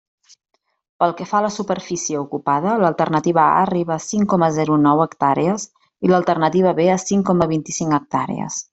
Pel que fa a la superfície ocupada, l'alternativa A arriba a cinc coma zero nou hectàrees, i l'alternativa B a cinc coma vint-i-cinc hectàrees.